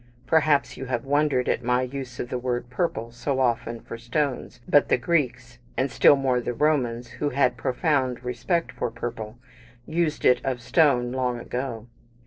Perhaps you have wondered at my use of the word "purple," so often of stones; but the Greeks, and still more the Romans, who had profound respect for purple, used it of stone long ago.